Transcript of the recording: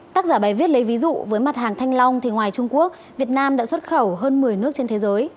tác giả bài viết lấy ví dụ với mặt hàng thanh long thì ngoài trung quốc việt nam đã xuất khẩu hơn một mươi nước trên thế giới